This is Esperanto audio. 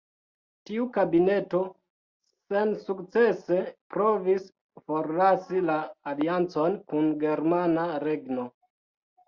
Tiu kabineto sensukcese provis forlasi la aliancon kun Germana Regno.